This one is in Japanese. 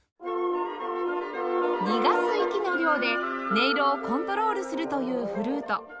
逃がす息の量で音色をコントロールするというフルート